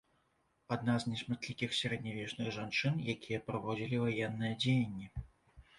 Адна з нешматлікіх сярэднявечных жанчын, якія праводзілі ваенныя дзеянні.